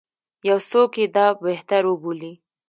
یو څوک یې دا بهتر وبولي.